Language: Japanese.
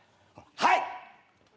はい。